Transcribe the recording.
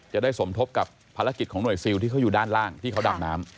จะได้สมทบกับภารกิจของหน่วยซิลที่เขาอยู่ด้านล่างที่เขาดำน้ำ